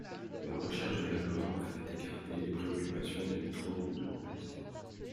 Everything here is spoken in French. La recherche de la gloire avait écarté les préoccupations d'aimer trop ou de compatir.